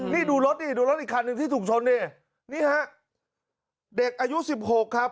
นี่ดูรถอีกดูรถอีกคันนึงที่ถูกชนนี่นี่ฮะเด็กอายุ๑๖ครับ